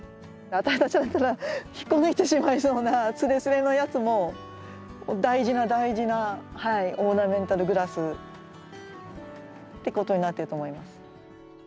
私たちだったら引っこ抜いてしまいそうなすれすれのやつも大事な大事なオーナメンタルグラスってことになってると思います。